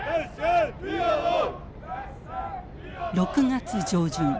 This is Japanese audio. ６月上旬